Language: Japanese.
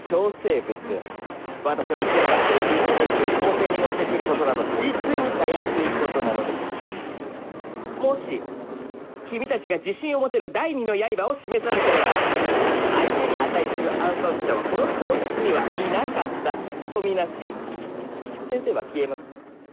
私をつけ狙ってる軍事兵器を校庭に持ってくることなど実にたやすいことなのですもし君たちが自信を持てる第二の刃を示さなければ相手に値する暗殺者はこの教室にはいなかったとみなし先生は消えます